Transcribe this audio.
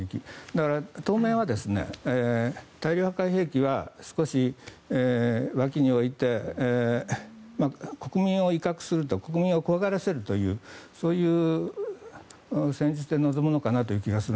だから当面は大量破壊兵器は少し脇に置いて国民を威嚇する国民を怖がらせるという戦術で臨むのかなと思います。